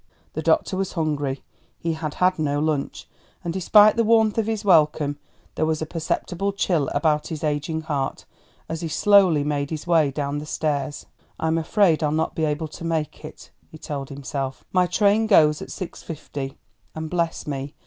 The doctor was hungry, he had had no lunch, and despite the warmth of his welcome there was a perceptible chill about his aging heart as he slowly made his way down the stairs. "I'm afraid I'll not be able to make it," he told himself; "my train goes at six fifty, and bless me!